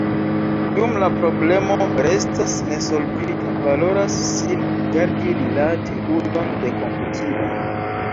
Dum la problemo restas nesolvita, valoras sin gardi rilate uzon de komputiloj.